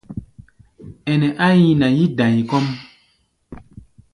Ɛnɛ á nyina yí-da̧i kɔ́ʼm.